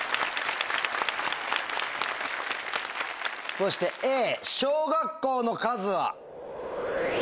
そしてＡ「小学校の数」は？